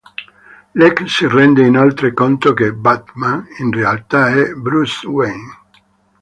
Lex si rende inoltre conto che Batman, in realtà, è Bruce Wayne.